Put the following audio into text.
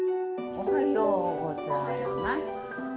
おはようございます。